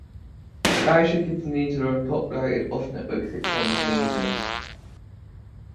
The station continued to run top rated off-network sitcoms in the evenings.